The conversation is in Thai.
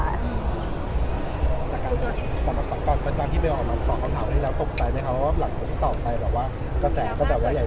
ตอนที่เบลของน้องตอบคำถามนี้แล้วตกใจไหมคะเพราะว่าหลังจากที่ตอบไปแบบว่ากระแสก็แบบว่าใหญ่โตเลย